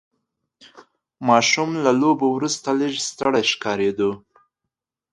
ماشوم له لوبو وروسته لږ ستړی ښکاره کېده.